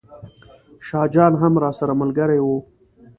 شاه جان هم راسره ملګری و.